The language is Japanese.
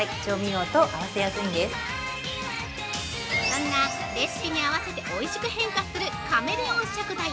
◆そんな、レシピに合わせておいしく変化するカメレオン食材。